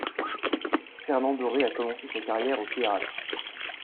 Fernand Doré a commencé sa carrière au théâtre.